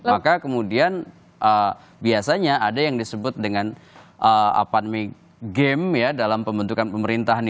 maka kemudian biasanya ada yang disebut dengan game ya dalam pembentukan pemerintah